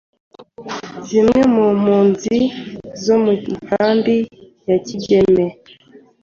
zimwe mu mpunzi zo mu nkambi ya Kigeme